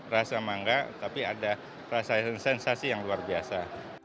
rasa mangga tapi ada rasa sensasi yang luar biasa